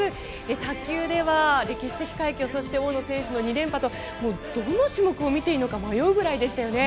卓球では歴史的快挙そして、大野選手の２連覇とどの種目を見ていいのか迷うぐらいでしたよね。